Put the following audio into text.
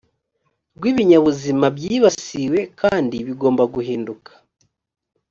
rw ibinyabuzima byibasiwe kandi bigomba guhinduka